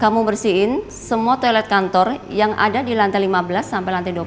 kamu bersihin semua toilet kantor yang ada di lantai lima belas sampai lantai dua belas